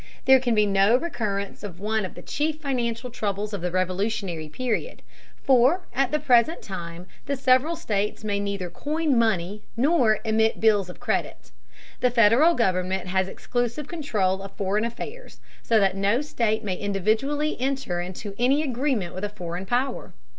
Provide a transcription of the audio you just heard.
There can be no recurrence of one of the chief financial troubles of the Revolutionary period, for at the present time the several states may neither coin money nor emit bills of credit. The Federal government has exclusive control of foreign affairs, so that no state may individually enter into any agreement with a foreign power.